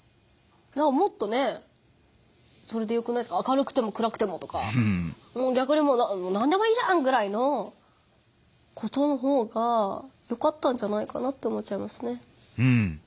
もっとね「それでよくないですか明るくても暗くても」とか逆に「何でもいいじゃん！」ぐらいのことのほうがよかったんじゃないかなって思っちゃいますね。